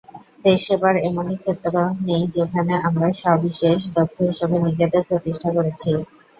দেশসেবার এমন ক্ষেত্র নেই, যেখানে আমরা সবিশেষ দক্ষ হিসেবে নিজেদের প্রতিষ্ঠা করেছি।